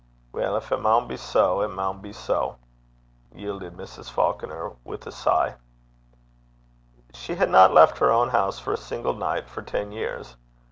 'Weel, gin it maun be sae, it maun be sae,' yielded Mrs. Falconer, with a sigh. She had not left her own house for a single night for ten years.